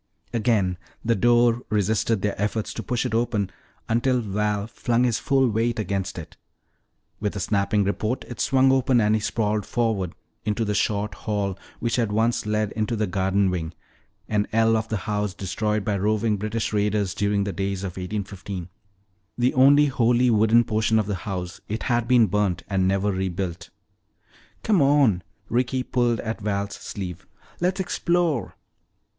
Again the door resisted their efforts to push it open until Val flung his full weight against it. With a snapping report it swung open and he sprawled forward into the short hall which had once led into the garden wing, an ell of the house destroyed by roving British raiders during the days of 1815. The only wholly wooden portion of the house, it had been burnt and never rebuilt. "Come on," Ricky pulled at Val's sleeve, "let's explore."